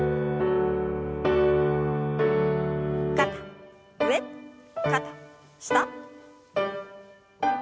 肩上肩下。